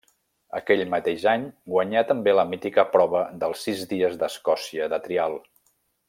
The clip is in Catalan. Aquell mateix any guanyà també la mítica prova dels Sis Dies d'Escòcia de Trial.